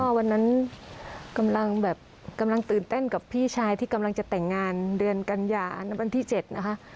วันนั้นกำลังแบบกำลังตื่นเต้นกับพี่ชายที่กำลังจะแต่งงานเดือนกันยาณวันที่๗นะคะ